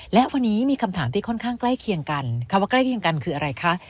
และวันนี้มีคำถามที่ค่อนข้างใกล้เคียงกันคำว่าใกล้เคียงกันคืออะไรคะ